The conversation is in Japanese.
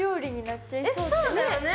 そうだよね。